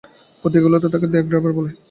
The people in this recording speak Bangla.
পত্রিকাগুলোও তাকে দ্য গ্র্যাবার বলে ডাকে।